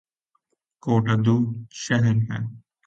کوٹ ادو شہر ہے